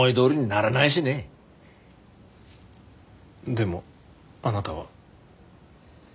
でもあなたは。